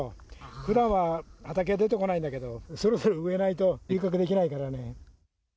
ふだんは畑出てこないんだけど、そろそろ植えないと、収穫できないからね。